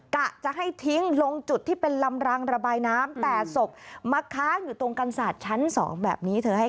กะจะให้ทิ้งลงจุดที่เป็นลำรางระบายน้ำแต่ศพมาค้างอยู่ตรงกันศาสตร์ชั้น๒แบบนี้เธอให้